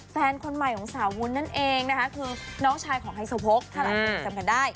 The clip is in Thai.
แฟนคนใหม่ของสาววุ้นนั่นเองนะคะคือน้องชายของไฮโซโพกถ้าหลายคนยังจำกันได้